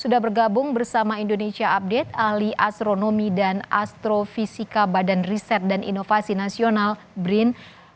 sudah bergabung bersama indonesia update ahli astronomi dan astrofisika badan riset dan inovasi nasional brin